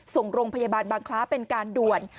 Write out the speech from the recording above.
ส่งโรงพยาบาลบางคล้าเป็นการด่วน